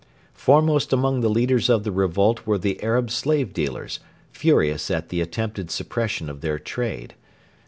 Foremost among the leaders of the revolt were the Arab slave dealers, furious at the attempted suppression of their trade.